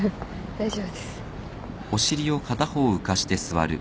大丈夫です。